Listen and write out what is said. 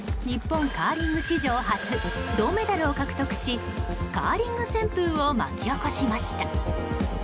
日本カーリング史上初銅メダルを獲得しカーリング旋風を巻き起こしました。